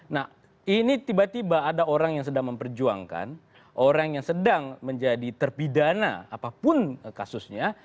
nah ini tiba tiba ada orang yang sedang memperjuangkan orang yang sedang menjadi terpidana apapun kasusnya